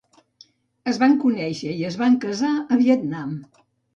Es van conèixer i es van casar a Vietnam.